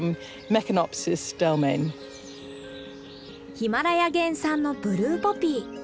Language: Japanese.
ヒマラヤ原産のブルーポピー。